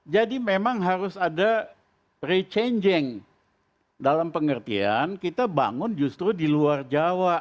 jadi memang harus ada re changing dalam pengertian kita bangun justru di luar jawa